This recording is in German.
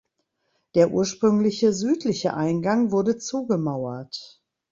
Der ursprüngliche südliche Eingang wurde zugemauert.